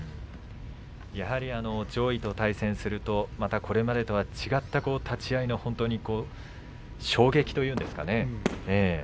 やはり上位と対戦するとまたこれまでとは違った立ち合いの衝撃というんですかね。